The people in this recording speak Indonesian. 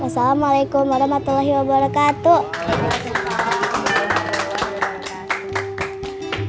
assalamualaikum warahmatullahi wabarakatuh